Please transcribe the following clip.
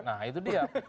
nah itu dia